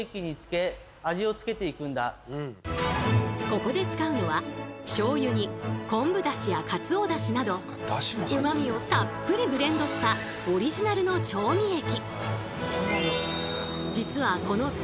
ここで使うのはしょうゆに昆布だしやカツオだしなどうまみをたっぷりブレンドしたオリジナルの調味液。